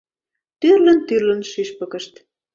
Тӱрлын-тӱрлын шӱшпыкышт